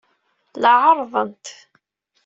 La ɛerrḍent.